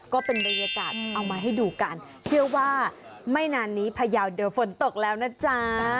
ก็เป็นบรรยากาศเอามาให้ดูกันเชื่อว่าไม่นานนี้พยาวเดี๋ยวฝนตกแล้วนะจ๊ะ